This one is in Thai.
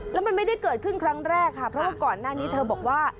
แล้วมันไม่ได้เกิดขึ้นครั้งแรกค่ะเพราะว่าก่อนหน้านี้เธอบอกว่า